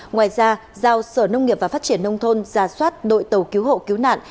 ngoài ra giao sở nông nghiệp và phát triển nông thôn giả soát đội tàu cứu hộ cứu nạn